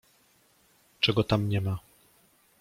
Czego tam nie ma!